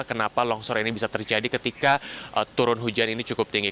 kenapa longsor ini bisa terjadi ketika turun hujan ini cukup tinggi